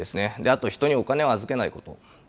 あと人にお金を預けないこと。